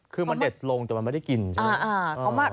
คือมันเด็ดลงแต่มันไม่ได้กินใช่ไหม